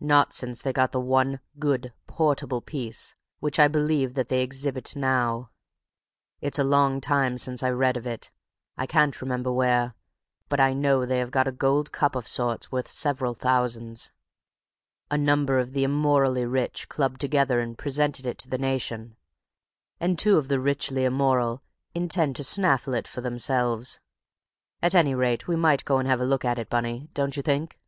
"Not since they got the one good, portable piece which I believe that they exhibit now. It's a long time since I read of it—I can't remember where—but I know they have got a gold cup of sorts worth several thousands. A number of the immorally rich clubbed together and presented it to the nation; and two of the richly immoral intend to snaffle it for themselves. At any rate we might go and have a look at it, Bunny, don't you think?"